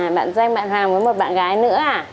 bạn doanh bạn hoàng với một bạn gái nữa à